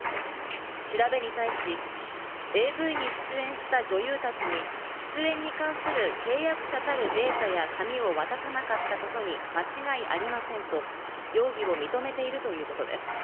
調べに対し、ＡＶに出演した女優たちに出演に関する契約者たるデータや紙を渡さなかったことに間違いありませんと容疑を認めているということです。